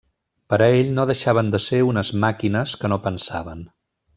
Per a ell no deixaven de ser unes màquines que no pensaven.